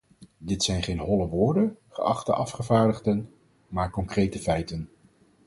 Dit zijn geen holle woorden, geachte afgevaardigden, maar concrete feiten.